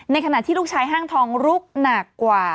ขณะที่ลูกชายห้างทองลุกหนักกว่า